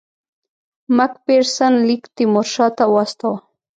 مک فیرسن لیک تیمورشاه ته واستاوه.